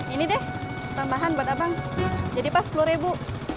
ini deh tambahan buat abang jadi pas sepuluh ribu